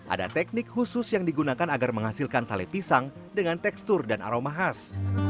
ada teknik khusus yang digunakan agar menghasilkan sale pisang dengan tekstur dan aroma khas